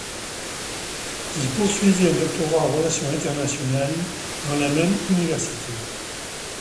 Il poursuivie un Doctorat en Relations Internationales dans la même Université.